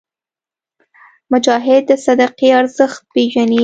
مجاهد د صدقې ارزښت پېژني.